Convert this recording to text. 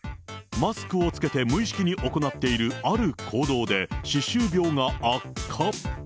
マスクを着けて無意識に行っているある行動で歯周病が悪化？